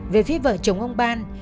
về phía vợ chồng ông ban